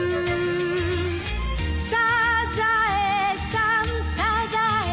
「サザエさんサザエさん」